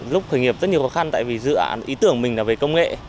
lúc khởi nghiệp rất nhiều khó khăn tại vì dự án ý tưởng mình là về công nghệ